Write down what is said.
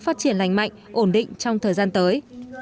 phát triển lành mạnh ổn định trong thời gian tới